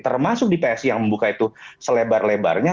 termasuk di psi yang membuka itu selebar lebarnya